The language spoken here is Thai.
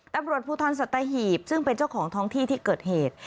ตำรวจภูทรสัตหีบซึ่งเป็นเจ้าของท้องที่ที่เกิดเหตุ